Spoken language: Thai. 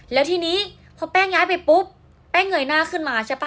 แล้วทีนี้พอแป้งย้ายไปปุ๊บแป้งเงยหน้าขึ้นมาใช่ป่